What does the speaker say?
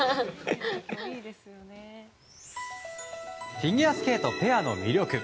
フィギュアスケートペアの魅力